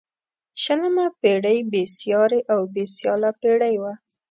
شلمه پيړۍ بې سیارې او سیاله پيړۍ وه.